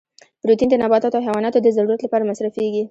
پروتین د نباتاتو او حیواناتو د ضرورت لپاره مصرفیږي.